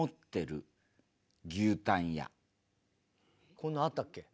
こんなのあったっけ？